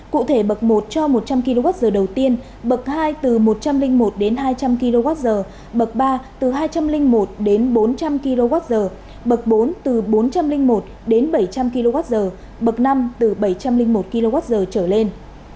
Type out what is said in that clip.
cụ thể bậc một cho một trăm linh kwh đầu tiên bậc hai từ một trăm linh một đến hai trăm linh kwh bậc ba từ hai trăm linh một đến bốn trăm linh kwh bậc bốn từ bốn trăm linh một đến bảy trăm linh kwh bậc năm từ bảy trăm linh một kwh trở lên